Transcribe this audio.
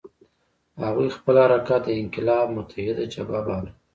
هغوی خپل حرکت د انقلاب متحده جبهه باله.